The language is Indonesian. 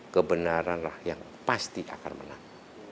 kebenaran lah yang pasti akan menang